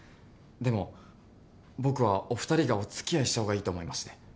でも僕はお二人がお付き合いした方がいいと思いまして。